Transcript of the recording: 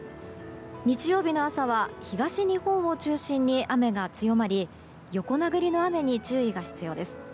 日曜日の朝は東日本を中心に雨が強まり横殴りの雨に注意が必要です。